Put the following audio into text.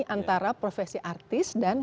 antara profesi artis dan